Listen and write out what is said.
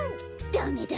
ダメだ！